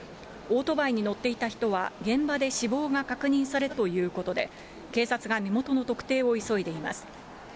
オートバイに乗っていた人は、現場で死亡が確認されたということで、警察が身元の特定を急いでいます。